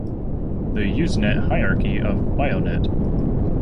The Usenet hierarchy of Bionet.